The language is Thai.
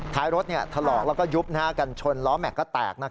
ท้ายรถถลอกแล้วก็ยุบกันชนล้อแม็กซก็แตก